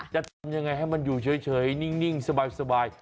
จะทำยังไงให้มันอยู่เฉยนิ่งสบาย